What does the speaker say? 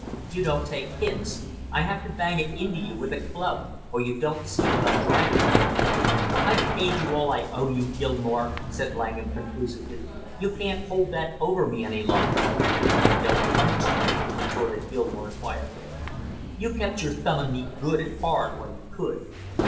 You don't take hints; I have to bang it into you with a club or you don't see what I'm driving at " "I've paid you all I owe you, Gilmore!" said Langham conclusively. "You can't hold that over me any longer." "I don't want to!" retorted Gilmore quietly. "You kept your thumb on me good and hard while you could!"